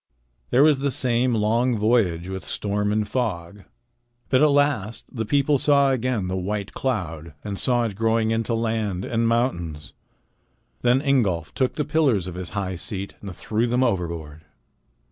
There was the same long voyage with storm and fog. But at last the people saw again the white cloud and saw it growing into land and mountains. Then Ingolf took the pillars of his high seat and threw them overboard.